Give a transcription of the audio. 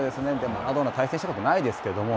マラドーナと対戦したことがないですけど。